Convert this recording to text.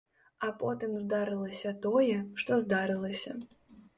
А потым здарылася тое, што здарылася.